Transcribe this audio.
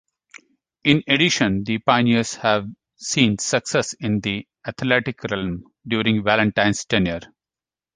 In addition, the Pioneers have seen success in the athletic realm during Valentine's tenure.